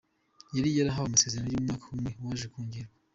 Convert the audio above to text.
Yari yarahawe amasezerano y’umwaka umwe, waje kongerwa.